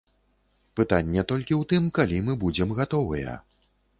Пытанне толькі ў тым, калі мы будзем гатовыя.